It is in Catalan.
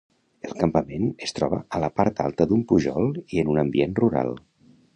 El campament es troba a la part alta d'un pujol i en un ambient rural.